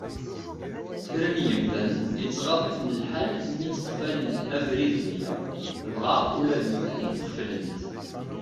Kra n yimdanen ittɣad-iten lḥal mi tteqfalen abrid wiyaḍ, dɣa ula d nutni qeflen-t.